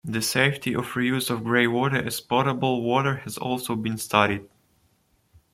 The safety of reuse of greywater as potable water has also been studied.